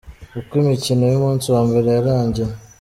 Uko imikino y'umunsi wa mbere yarangiye:.